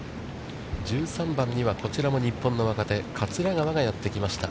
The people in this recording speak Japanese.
１３番には、こちらも日本の若手、桂川がやってきました。